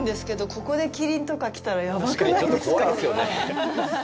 ここでキリンとか来たらやばくないですか。